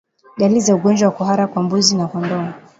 Dalili za ugonjwa wa kuhara kwa mbuzi na kondoo